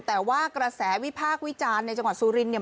แต่ว่ากระแสวิพากษ์วิจารณ์ในจังหวัดสุรินเนี่ย